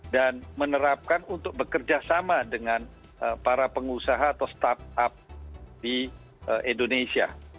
dan menerapkan untuk bekerja sama dengan para pengusaha atau startup di indonesia